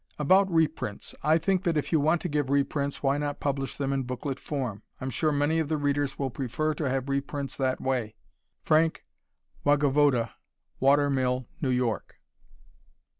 About reprints, I think that if you want to give reprints, why not publish them in booklet form. I'm sure many of the readers will prefer to have reprints that way. Frank Wogavoda, Water Mill, New York.